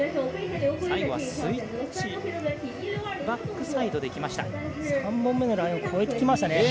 最後はスイッチバックサイドできました。